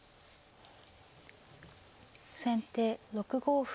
先手６五歩。